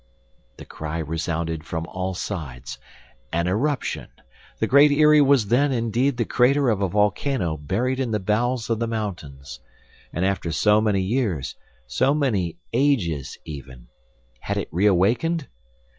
The cry resounded from all sides. An eruption! The Great Eyrie was then indeed the crater of a volcano buried in the bowels of the mountains. And after so many years, so many ages even, had it reawakened?